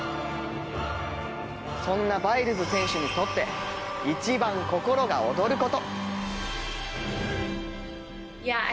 そんなバイルズ選手にとって一番心が躍ること。